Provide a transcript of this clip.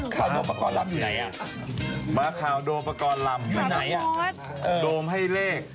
ข่าวโดมประกอบลำอยู่ไหนมาข่าวโดมปกรณ์ลำไหนโดมให้เลข